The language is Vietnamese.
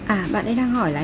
à bạn ấy đang hỏi là